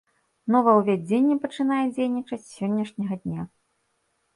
Новаўвядзенне пачынае дзейнічаць з сённяшняга дня.